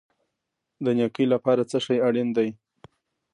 د نیکۍ لپاره څه شی اړین دی؟